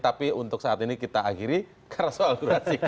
tapi untuk saat ini kita akhiri karena soal durasi